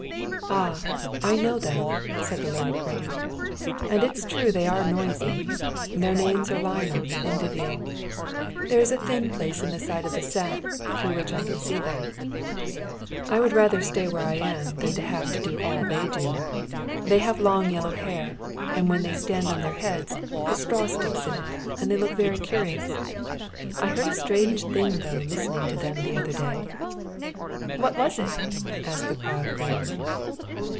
"Ah! I know them," said the learned grain. "And it's true they are noisy. Their names are Lionel and Vivian. There is a thin place in the side of the sack, through which I can see them. I would rather stay where I am than have to do all they do. They have long yellow hair, and when they stand on their heads the straw sticks in it and they look very curious. I heard a strange thing through listening to them the other day." "What was it?" asked the proud grain.